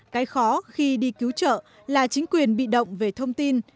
cái khó khi đi cứu trợ là chính quyền bị động về thông tin